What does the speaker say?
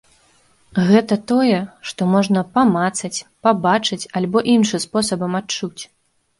Гэта тое, што можна памацаць, пабачыць альбо іншым спосабам адчуць.